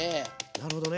なるほどね。